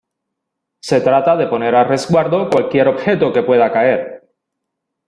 se trata de poner a resguardo cualquier objeto que pueda caer.